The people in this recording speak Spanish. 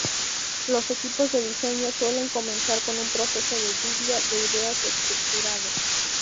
Los equipos de diseño suelen comenzar con un proceso de lluvia de ideas estructurado.